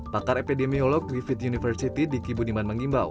pakar epidemiolog di fit university di kibuniman mengimbau